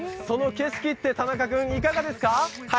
その景色って、田中君、いかがですか？